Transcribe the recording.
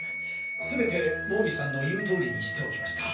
全て毛利さんの言うとおりにしておきました。